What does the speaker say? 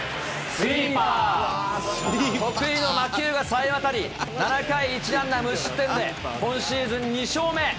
得意の魔球がさえわたり、７回１安打無失点で、今シーズン２勝目。